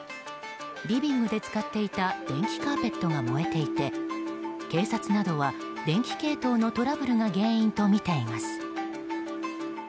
リビングで使っていた電気カーペットが燃えていて警察などは電気系統のトラブルが原因とみています。